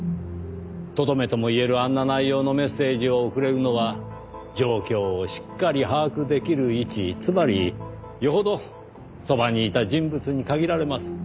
とどめともいえるあんな内容のメッセージを送れるのは状況をしっかり把握できる位置つまりよほどそばにいた人物に限られます。